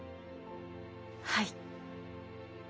はい。